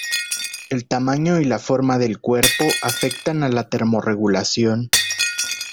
El tamaño y la forma del cuerpo afectan a la termorregulación.